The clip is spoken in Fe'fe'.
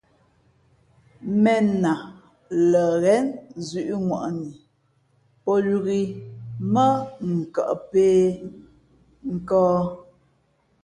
̀mēn a lα ghén zʉ̄ʼŋwαni pō yōk ǐ mά ǎ kα pēh nkᾱᾱ.